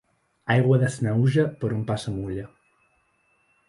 Aigua de Sanaüja, per on passa mulla.